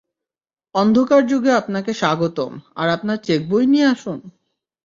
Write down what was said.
অন্ধকার যুগে আপনাকে স্বাগতম আর আপনার চেক বই নিয়ে আসুন!